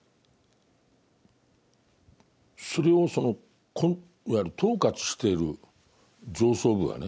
それをそのいわゆる統括している上層部がね